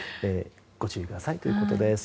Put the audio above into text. ご注意くださいということです。